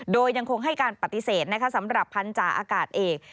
โดยยังคงให้การปฏิเสธสำหรับพันธาอากาศเอก